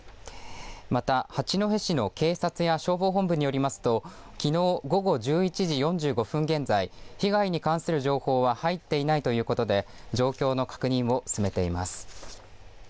また八戸市の警察や消防本部によりますときのう、午後１１時４５分現在被害に関する情報は入っていないということで状況の確認を進めています。